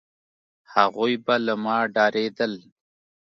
هغوی به له ما ډارېدل،